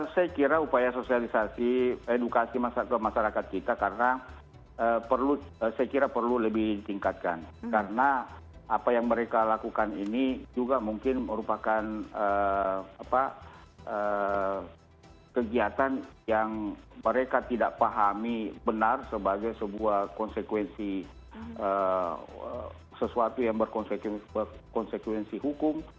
saya kira upaya sosialisasi edukasi masyarakat kita karena perlu saya kira perlu lebih ditingkatkan karena apa yang mereka lakukan ini juga mungkin merupakan kegiatan yang mereka tidak pahami benar sebagai sebuah konsekuensi sesuatu yang berkonsekuensi hukum